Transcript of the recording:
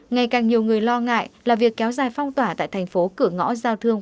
ngày càng nhiều người lo ngại là việc kéo dài phong tỏa tại thành phố cửa ngõ giao thương